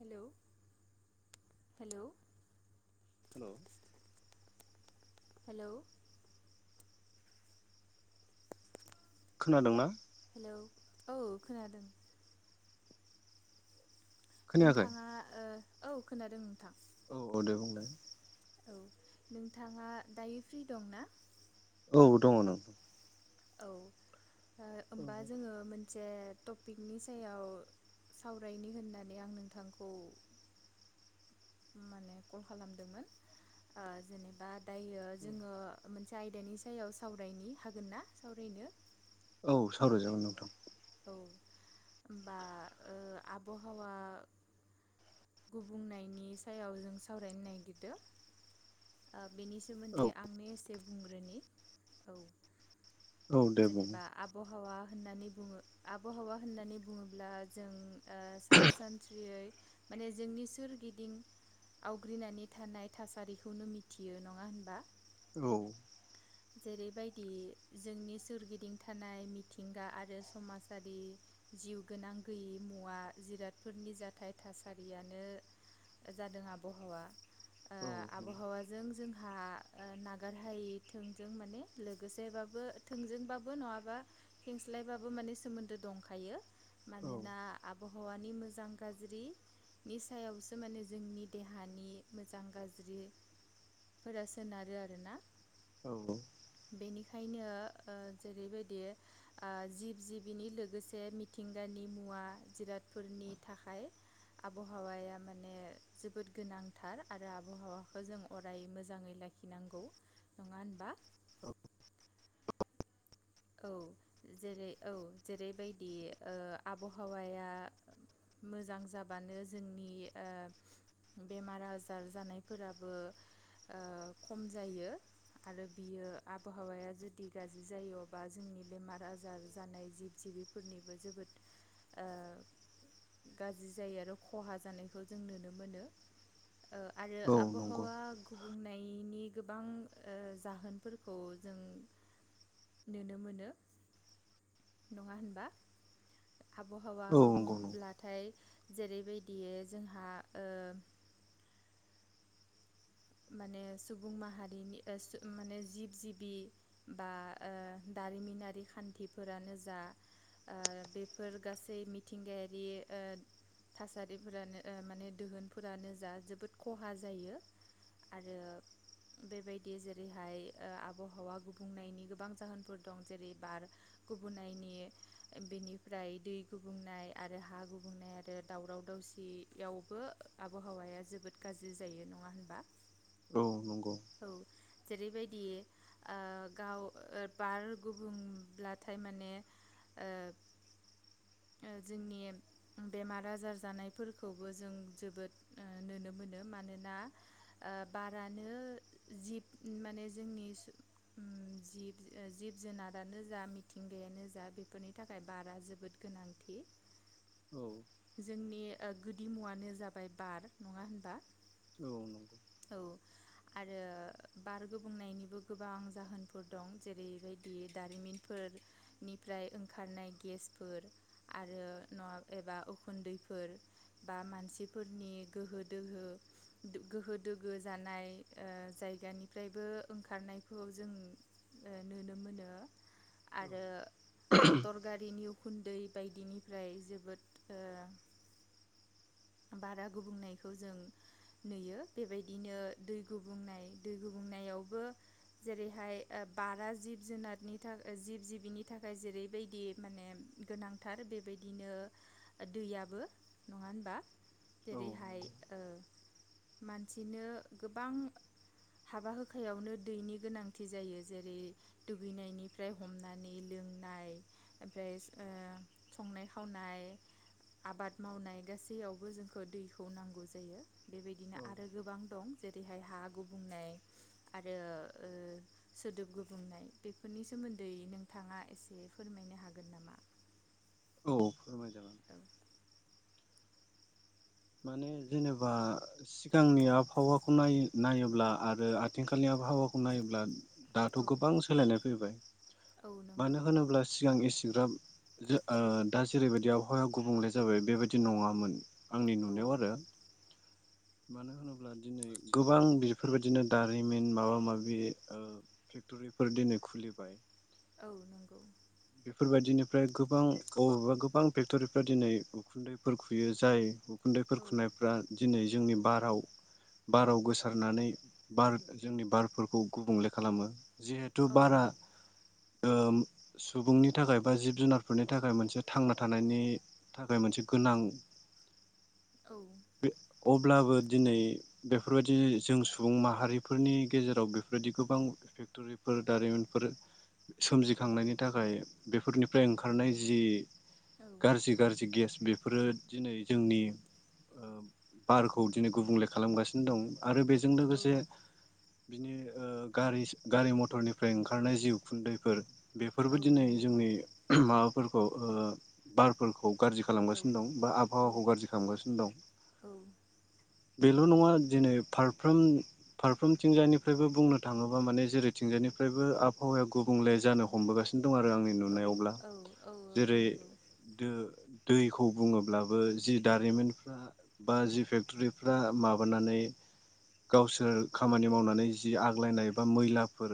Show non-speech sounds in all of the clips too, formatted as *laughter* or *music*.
Hello hello hello hello खोनादोंना? Hello औ खोनादों। खोनायाखै नोंथाङा ओ औ खोनादों नोंथां। औ औ दे बुंलाय। औ नोंथाङा दायो फ्रि दं ना? औ दङ नों औ। ओ होमबा जोङो मोन से टपिकनि सायाव सावरायनि होननानै आं नोंथांखौ माने कल खालामदोंमोन ओ जेनेबा दायो जोङो मोनसे आयदानि सायाव सावरायनि, हागोनना सावरायनो? औ सावरायजागोन नोंथां। औ होमबा ओ आबहावा गुबुंनायनि सायाव जों सावरायनो नागिरदो ओ बेनि औ सोमोन्दै आंनो एसे बुंग्रोनि औ। औ दे बुं जेनेबा आबहावा होननानै बुङो आबहावा होननानै बुङोब्ला जों ओ सारासनस्रियै माने जोंनि सोरगिदिं आवग्रिनानै थानाय थासारिखौनो मिथियो नङा होनबा? औ। जेरैबायदि जोंनि सोरगिदिं थानाय मिथिंगा आरो समाजारि जिउ गोनां गैयि मुवा जिरादफोरनि जाथाय थासारियानो जादों आबहावा। ओ औ आबहावाजों जों हा नागार हायि थोंजों माने लोगोसेबाबो थोंजोंबाबो नङाबा हेंस्लायबाबो माने सोमोन्दो दंखायो। औ मानोना आब हावानि मोजां गाज्रिनि सायावसो माने जोंनि देहानि मोजां गाज्रि फोरा सोनारो आरोना। औ। बेनिखायनो ओ जेरैबायदि ओ जिब जिबिनि लोगोसे मिथिंगानि मुवा जिरादफोरनि थाखाय आबहावाया माने जोबोद गोनांथार आरो आबहावाखौ जों अराय मोजाङै लाखिनांगौ नङा होन बा? औ। औ जेरै औ जेरैबायदि ओ आबहावाया मोजां जाबानो जोंनि ओ बेमार आजार जानायफोराबो ओ खम जायो आरो बियो आबहावाया जुदि गाज्रि जायो बा जोंनि बेमार आजार जानाय जिब जिबिफोरनिबो जोबोद ओ गाज्रि जायो आरो खहा जानायखौ जों नुनो मोनो। ओ आरो औ नंगौ आबहावा गुबुंनायनि गोबां ओ जाहोनफोरखौ जों नुनो मोनो नङा होनबा? आबहावा औ नंगौ नंगौ गुबुंब्लाथाय जेरैबायदि जोंहा ओ माने सुबुं माहारिनि ओ सु माने ओह जिब जिबि बा ओ दारिमिनारि खान्थिफोरानो जा ओ बेफोर गासै मिथिंगायारि ओ थासारिफोरानो ओ माने दोहोनफोरानो जा जोबोद खहा जायो आरो बेबायदि जेरैहाय ओ आबहावा गुबुंनायनि गोबां जाहोनफोरदं जेरै बार गुबुंनायनि बेनिफ्राय दै गुबुंनाय आरो हा गुबुंनाय आरो दावराव दावसियावबो आबहावाया जोबोद गाज्रि जायो। नङा होनबा? औ नंगौ। औ जेरैबायदि ओ गाव ओ बार गुबुंब्लाथाय माने ओ जोंनि बेमार आजार जानायफोरखौबो जों जोबोद नुनो मोनो मानोना ओ बारानो जिब माने जोंनि सु उम जिब जिब जुनादानो जा मिथिंगायानो जा बेफोरनि थाखाय बारा जोबोद गोनांथि। औ जोंनि ओह गोदि मुयानो जाबाय बार नङा होनबा? औ। औ आरो बार गुबुंनायनिबो गोबां जाहोनफोर दं जेरैबायदि दारिमिनफोरनिफ्राय ओंखारनाय गेसफोर आरो नङा एबा उखुन्दैफोर बा मानसिफोरनि गोहो दोहो गोहो दोगो जानाय ओ जायगानिफ्रायबो ओंखारनायखौ जों ओ नुनो मोनो औ आरो मटर गारिनि उ खुन्दै बायदिनिफ्राय जोबोद ओ बारा गुबुंनायखौजों नुयो। बेबायदिनो दै गुबुंनाय दै गुबुंनायावबो जेरैहाय ओ बारा जिब जुनारनि था जिब जिबिनि थाखाय जेरैबायदि माने गोनांथार बेबायदिनो दैयाबो नङा होनबा? औ जेरैहाय नंगौ ओ मानसिनो गोबां हाबा होखायावनो दैनि गोनांथि जायो जेरै दुगैनायनिफ्राय हमनानै लोंनाय ओमफ्राय ओह संनाय खावनाय आबाद मावनाय गासैयावबो जोंखौ दैखौ नांगौ जायो बेबायदिना औ आरो गोबां दं जेरैहाय हा गुबुंनाय आरो ओ सोदोब गुबुंनाय बेफोरनि सोमोन्दै नोंथाङा एसे फोरमायनो हागोन नामा? औ फोरमायगोन। औ। माने जेनोबा सिगांनि आबहावाखौ नायो नायोब्ला आरो आथिंखालनि आबहावाखौ नायोब्ला दाथ' औ गोबां सोलायनाय फैबाय। औ नंगौ मानो होनोब्ला सिगां एस *unintelligible* ओ दा जेरैबायदि आबहावाया गुबुंले जाबाय बेबादि नङामोन आंनि औ नुनायाव आरो। मानो होनोब्ला दिनै गोबां बेफोरबायदिनो दारिमिन माबा माबि ओह फेक्टरिफोर दिनै खुलिबाय। औ नंगौ। बेफोरबादिनो ओमफ्राय गोबां औ अबेबा गोबां फेख फेक्तरिफ्रा दिनै उखुन्दैफोर खुयो जाय उखुन्दैफोर औ खुनायफ्रा दिनै जोंनि बाराव बाराव गोसारनानै बार जोंनि बारफोरखौ गुबुंले खालामो। जिहेथु औ बारा ओम सुबुंनि थाखाय बा जिब जुनारफोरनि थाखाय मोनसे थांना थानायनि थाखाय मोनसे गोनां औ। अब्लाबो दिनै बेफोरबायदि जों सुबुं माहारिफोरनि गेजेराव बेफोरबायदि गोबां फेक्ट'रिफोर दारिमिनफोर सोमजिखांनायनि थाखाय बेफोरनिफ्राय ओंखारनाय जि गारजि गारजि गेस बे फोरो दिनै जोंनि ओ बारखौ दिनै गुबुंले खालामगासिनो दं आरो बेजों लोगोसे बिनि ओ गारि गारि मथरनिफ्राय ओंखारनाय जिउ खुन्दैफोर फोरबो औ दिनै नंगौ जोंनि माबा फोरखौ ओ बारफोरखौ गारजि औ औ खालामगासिनो दं बा आबहावाखौ औ गारजि खालामगासिनो दं। औ बेल' नङा दिनै फारफ्रोम फारफ्रोमथिंजायनिफ्रायबो बुंनो थाङोबा माने जेरैथिंजायनिफ्रायबो आबहावाया गुबुंले जानो हमबोगासिन दं आरो आंनि औ औ नुनायावब्ला जेरै नंगौ दो दैखौ बुङोब्लाबो जि दारिमिनफ्रा बा जि फेक्ट'रिफ्रा माबानानै गावसोर खामानि मावनानै जि आग्लायनाय बा मैलाफोर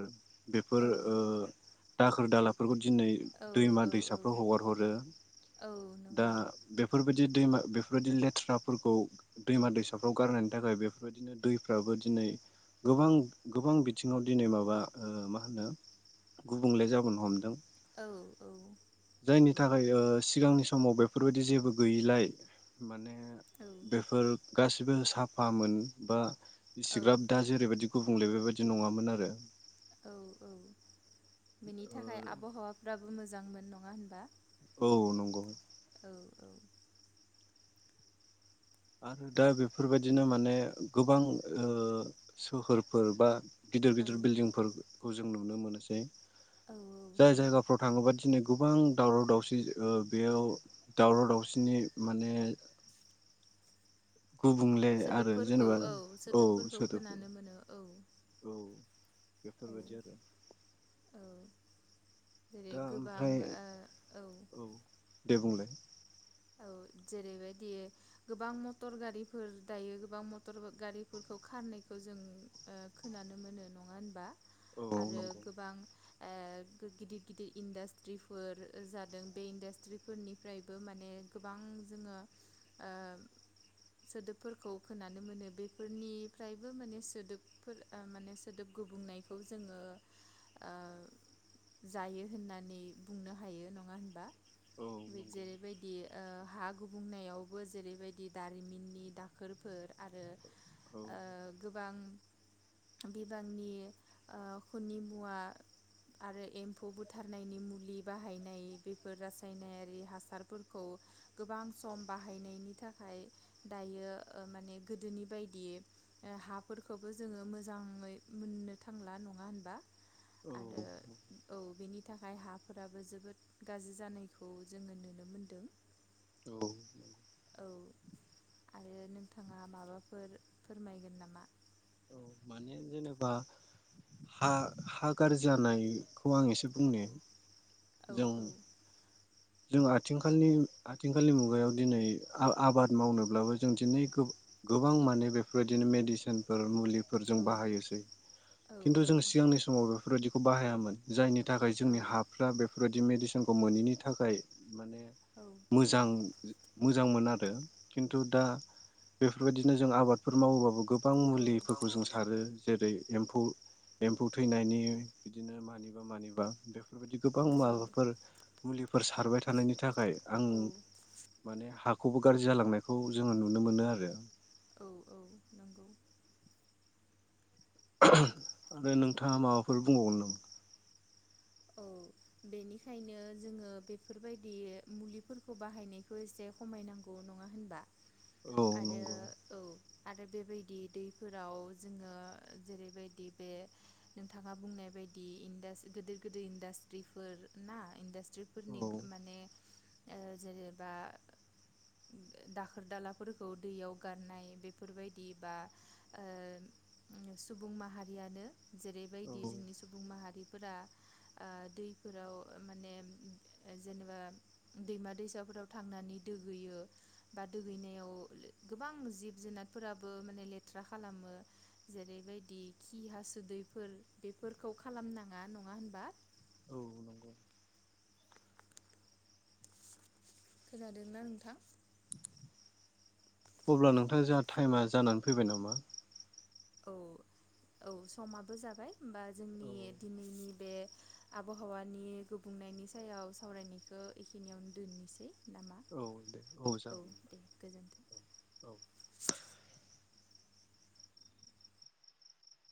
बेफोर औ ओ दाखोर दाला दिनै औ दैमा औ दैसाफ्राव हगार हरो औ दा नंगौ बेफोरबायदि दैमा बेफोरबायदि लेथ्राफोरखौ दैमा दैसाफ्राव गारनायनि थाखाय बेफोरबायदिनो दैफ्राबो दिनै गोबां गोबां बिथिङाव दिनै माबा ओ मा होनो गुबुंले जाबोन हमदों। औ औ। जायनि थाखाय ओ सिगांनि समाव बेफोरबायदि जेबो गैयिलाय माने ए औ बेफोर गासिबो साफा मोन बा औ इसिग्राब दा जेरैबायदि गुबुंले बेबायदि नङामोन आरो औ औ बिनि थाखाय ओ आबहावा फ्राबो मोजांमोन नङा होनबा? औ नंग'। औ औ आरो दा बेफोरबायदिनो माने गोबां ओ सोहोरफोर बा गिदिर औ गिदिर बिल्डिंफोर खौ जों नुनो मोनोसै। औ जाय नंगौ जायगाफोराव थाङोबा दिनै गुबां दावराव दावसि ओ बेयाव दावराव दावसिनि माने गुबुंले आरो सोदोबफोरखौ जेनेबा औ सोदोबफोरखौ खोनानो मोनो औ। बेफोर औ बायदि आरो। औ जेरै दा गोबां ओमफ्राय ओ औ। दे बुंलाय? औ जेरैबायदि गोबां मटर गारिफोर दायो गोबां मटर गारिफोरखौ खारनायखौ जों ओ खोनानो मोनो नङा होनबा? औ आरो नंगौ गोबां आ गो गिदिर गिदिर इन्डास्ट्रिफोर जादों बे इन्डास्ट्रिफोरनिफ्रायबो माने गोबां जोङो ओ सोदोबफोरखौ खोनानो मोनो बेफोरनिफ्रायबो माने सोदोबफोर ओ माने सोदोब गुबुंनायखौ जोङो ओ जायो होननानै बुंनो हायो नङा होनबा? औ नंगौ जेरैबायदि ओ हा गुबुंनायावबो जेरैबायदि दारिमिननि दाखोरफोर आरो औ ओ गोबां बिबांनि ओ खुनि मुवा आरो एम्फौ बुथारनायनि मुलि बाहायनाय बेफोर रासायनारि हासारफोर खौ गोबां सम बाहायनायनि थाखाय दायो ओ माने गोदोनि बायदि ओ हाफोरखौबो जोङो मोजाङै मोननो थांला नङा होनबा? औ आरो औ बेनि थाखाय हाफोराबो जोबोद गाज्रि जानायखौ जोङो नुनो मोन दो। औ औ आरो नोंथाङा माबाफोर फोरमायगोन नामा? औ माने जेनेबा हा हागार जानाय खौ आं एसे औ बुंनि औ जों जों आथिंखालनि आथिंखालनि मुगायाव दिनै आबाद मावनोब्लाबो जों दिनै गोबां माने बेफोरबायदिनो मेडिसिनफोर मुलि फोर जों औ बाहायोसै औ खिन्थु जों सिगांनि समावबो बेफोरबायदिखौ बाहायामोन जायनि थाखाय औ जोंनि हाफ्रा बे फोरबायदि मेदिसिनखौ मोनैनि थाखाय माने औ मोजां मोजां मोन आरो खिन्थु दा बेफोरबायदिनो जों आबादफोर मावोबाबो गो बां मुलिफोरखौ जों सारो जेरै एमफौ एम्फौ थैनायनि बिदिनो मानिबा मानिबा बे बेदि गोबां औ माबाफोर मुलि फोर सारबाय थानायनि था खाय आं औ माने हा खौबो गाज्रि जालांनायखौ जोङो नुनो मोनो आरो। औ औ नंगौ। आरो नोंथाङा माबाफोर बुंबावगोन नामा? औ बेनिखायनो जोङो बेफोरबायदि मुलिफोरखौ बाहायनायखौ एसे खमायनांगौ नङा होनबा? औ आरो नंगौ औ आरो बेबायदि दैफोराव जोङो जेरैबायदि बे नोंथाङा बुंनाय बायदि इडासिटि गोदोर गोदोर इडासट्रिफोर ना इनदास औ थ्रिफोरनि माने ओ जेनेबा दाखोर दालाफोरखौ दैयाव गारनाय बेफोरबायदि बा ओ सुबुं माहारियानो औ जेरैबायदि जोंनि सुबुं माहारि फोरा आ दैफोराव माने जेनेबा दैमा दैसाफोराव थांनानै दोगैयो बा दुगैनायाव गोबां जिब जुनारफोराबो माने लेथ्रा खालामो जेरैबायदि खि हासुदैफोर बेफोरखौ खालामनाङा नङा होन बा? औ नंगौ। खोनादोंना नोंथां? अब्ला नोंथां जोंहा टाइमा जानानै फैबाय नामा? औ औ समाबो जाबाय होमबा जोंनि औ दिनैनि बे आबहावानि गुबुंनायनि सायाव सावरायनायखौ एखिनियावनो दोननोसै नामा? औ औ जागोन दे गोजोन्थों औ औ